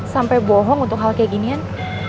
sampai bohong untuk hal kayak ginian